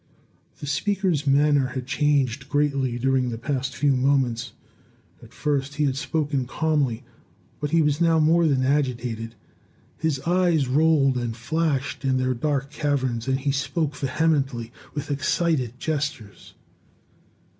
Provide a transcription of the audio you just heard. The speaker's manner had changed greatly during the past few moments. At first he had spoken calmly, but he was now more than agitated. His eyes rolled and flashed in their dark caverns, and he spoke vehemently, with excited gestures.